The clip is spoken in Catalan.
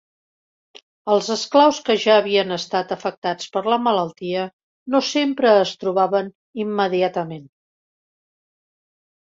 Els esclaus que ja havien estat afectats per la malaltia no sempre es trobaven immediatament.